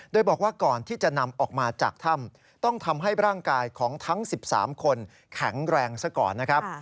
โดยบอกว่าก่อนที่จะนำออกมาจากถ้ำต้องทำให้ร่างกายของทั้ง๑๓คนแข็งแรงซะก่อนนะครับ